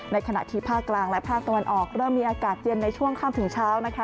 ขณะที่ภาคกลางและภาคตะวันออกเริ่มมีอากาศเย็นในช่วงค่ำถึงเช้านะคะ